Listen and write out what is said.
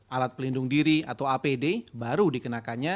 alat pelindung diri atau apd baru dikenakannya